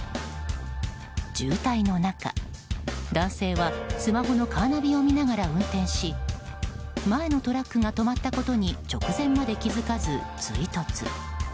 渋滞の中、男性はスマホのカーナビを見ながら運転し前のトラックが止まったことに直前まで気付かず、追突。